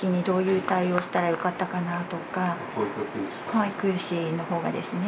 保育士のほうがですね。